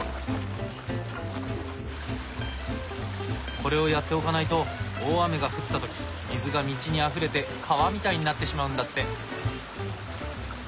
これをやっておかないと大雨が降った時水が道にあふれて川みたいになってしまうんだって。